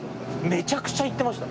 めちゃくちゃ行ってました。